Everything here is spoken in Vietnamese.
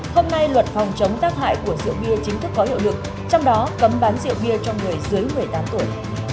hôm nay luật phòng chống tác hại của rượu bia chính thức có hiệu lực trong đó cấm bán rượu bia cho người dưới một mươi tám tuổi